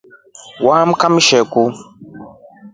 Maamka mshekuu.